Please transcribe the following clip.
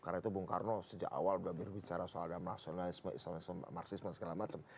karena itu bung karno sejak awal udah berbicara soal ada masyarakat islamisme marxisme segala macam